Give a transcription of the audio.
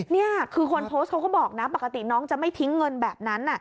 นี่คือคนโพสต์เขาก็บอกนะปกติน้องจะไม่ทิ้งเงินแบบนั้น